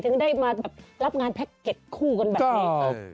ได้มาแบบรับงานแพ็คเก็ตคู่กันแบบนี้